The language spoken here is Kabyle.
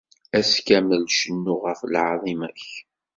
Ass kamel cennuɣ ɣef lɛaḍima-k.